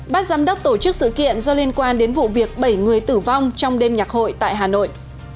bác giám đốc tổ chức sự kiện do liên quan đến vụ việc bảy người tử vong trong đêm nhạc hội tại hà nội